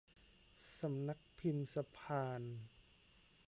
สำนักพิมพ์สะพาน